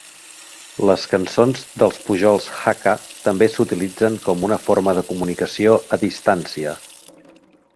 Les cançons dels pujols Hakka també s'utilitzen com una forma de comunicació a distància.